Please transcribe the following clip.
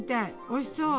おいしそう。